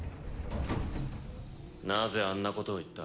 なぜあんなことを言った？